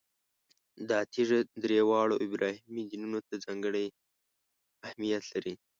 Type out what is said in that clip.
دا تیږه درې واړو ابراهیمي دینونو ته ځانګړی اهمیت لري.